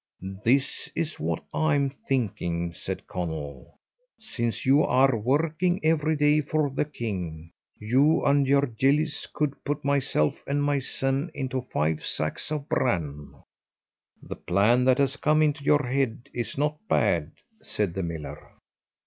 "This is what I am thinking," said Conall, "since you are working every day for the king, you and your gillies could put myself and my sons into five sacks of bran." "The plan that has come into your head is not bad," said the miller.